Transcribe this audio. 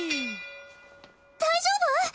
大丈夫？